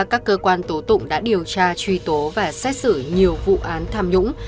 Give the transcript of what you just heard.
các cơ quan tố tụng đã điều tra truy tố và xét xử nhiều vụ án tham nhũng